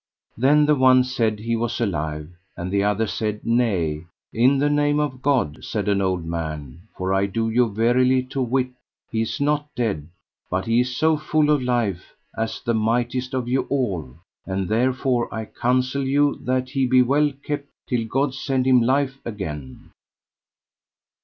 Then the one said he was alive, and the other said, Nay. In the name of God, said an old man, for I do you verily to wit he is not dead, but he is so full of life as the mightiest of you all; and therefore I counsel you that he be well kept till God send him life again.